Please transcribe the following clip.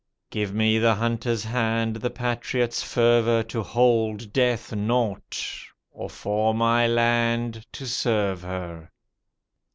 Give me the hunter's hand, the patriot's fervour To hold death naught, or for my land to serve her.